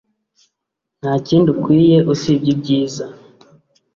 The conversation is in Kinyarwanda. Nta kindi ukwiye usibye ibyiza